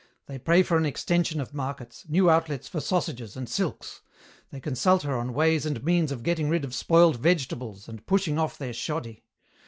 They pray for an extension of markets, new outlets for sausages and silks. They consult her on ways and means of getting rid of spoiled vegetables and pushing off their shoddy.